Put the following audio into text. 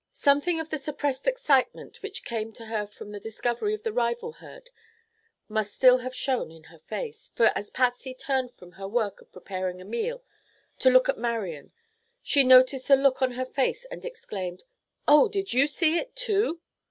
Something of the suppressed excitement which came to her from the discovery of the rival herd must still have shown in her face, for as Patsy turned from her work of preparing a meal to look at Marian she noticed the look on her face and exclaimed: "Oh! Did you see it, too?"